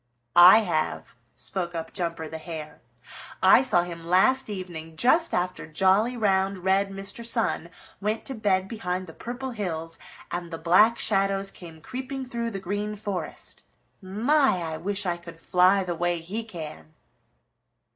"I have," spoke up Jumper the Hare. "I saw him last evening just after jolly, round, red Mr. Sun went to bed behind the Purple Hills and the Black Shadows came creeping through the Green Forest. My, I wish I could fly the way he can!"